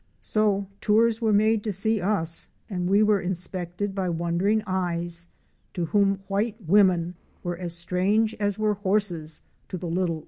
So tours were made to see us and we were inspected by wondering eyes to whom white women were as strange as were horses to the little "bush" lad.